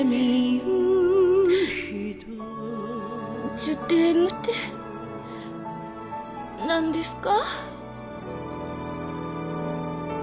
ジュテームて何ですか？